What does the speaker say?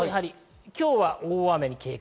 今日は大雨に警戒。